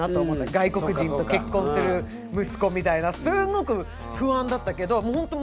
外国人と結婚する息子みたいなすごく不安だったけどほんと